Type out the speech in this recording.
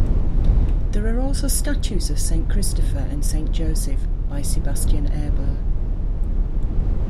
There are also statues of Saint Christopher and Saint Joseph by Sebastian Eberl.